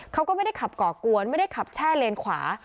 เขาก็ไม่ได้ขับก่อกวนไม่ได้ขับแช่เลนขวา